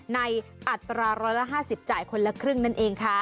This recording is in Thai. อัตรา๑๕๐จ่ายคนละครึ่งนั่นเองค่ะ